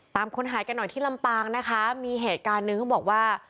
คนหายกันหน่อยที่ลำปางนะคะมีเหตุการณ์หนึ่งเขาบอกว่า